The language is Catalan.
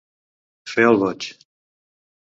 Fer el boig.